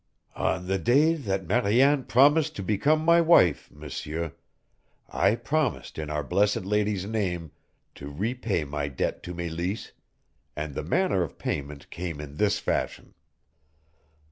"On the day that Mariane promised to become my wife, M'seur, I promised in Our Blessed Lady's name to repay my debt to Meleese, and the manner of payment came in this fashion.